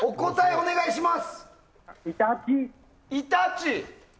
お願いします。